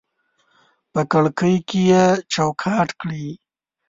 په کړکۍ کې یې چوکاټ کړي